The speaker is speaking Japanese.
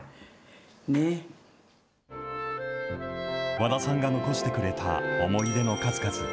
和田さんが残してくれた思い出の数々。